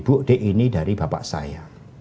bu d ini dari bapak saya